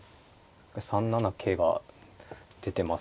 ３七桂が出てます。